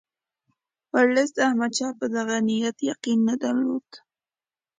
ورلسټ د احمدشاه په دغه نیت یقین نه درلود.